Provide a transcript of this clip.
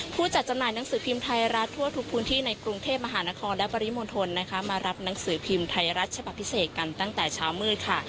ผู้จัดจำหน่ายหนังสือพิมพ์ไทยรัฐทั่วทุกพื้นที่ในกรุงเทพมหานครและปริมณฑลนะคะมารับหนังสือพิมพ์ไทยรัฐฉบับพิเศษกันตั้งแต่เช้ามืดค่ะ